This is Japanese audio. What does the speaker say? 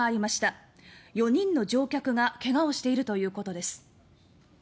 少なくとも３人の乗客が怪我をしているということです。